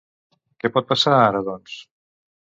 Què pot passar ara, doncs?